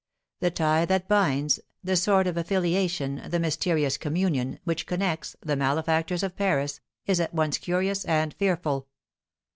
The tie that binds the sort of affiliation, the mysterious communion, which connects the malefactors of Paris, is at once curious and fearful.